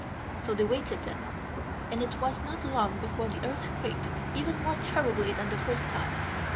So they waited then, and it was not long before the earth quaked even more terribly than the first time.